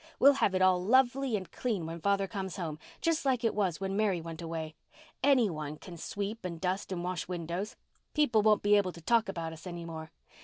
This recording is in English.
We'll have it all lovely and clean when father comes home, just like it was when Mary went away. any one can sweep and dust and wash windows. People won't be able to talk about us any more.